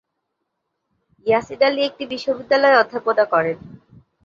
ইয়াসিন আলী একটি বিশ্ববিদ্যালয়ে অধ্যাপনা করেন।